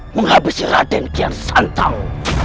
menghabisi raden kian santang